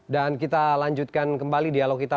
dan kita lanjutkan kembali dialog kita